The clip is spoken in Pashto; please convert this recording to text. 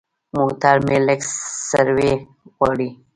موټر مې لږ سروي غواړي.